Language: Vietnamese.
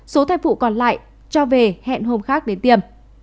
số thai phụ còn lại cho về hẹn hôm khác đến tiêm